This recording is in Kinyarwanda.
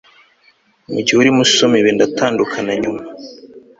Mugihe urimo usoma ibi ndatandukana nyuma